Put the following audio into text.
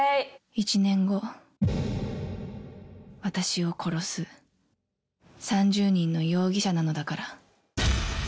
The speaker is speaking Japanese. １年後私を殺す３０人の容疑者なのだから。